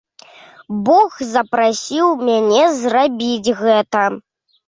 Бог запрасіў мяне зрабіць гэта.